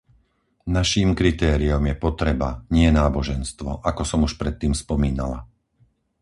Naším kritériom je potreba, nie náboženstvo, ako som už predtým spomínala.